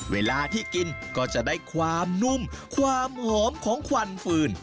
เวลาที่กินก็จะได้ความนุ่มความหอมของควันฟืน